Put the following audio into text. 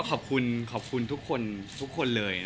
ก็ขอบคุณทุกคนทุกคนเลย